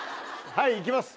はいいきます。